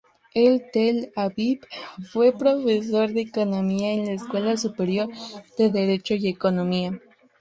En Tel-Aviv fue profesor de economía en la Escuela Superior de Derecho y Economía.